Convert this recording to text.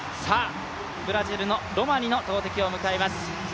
ブラジルのロマニの投てきを迎えます。